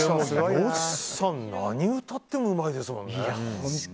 吉さん、何を歌ってもうまいですよね。